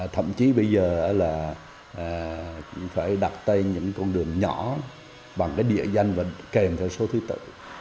thậm chí bây giờ là cũng phải đặt tên những con đường nhỏ bằng cái địa danh kèm theo số thứ tự